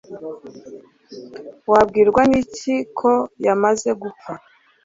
Wabwirwa niki ko yamaze gupfa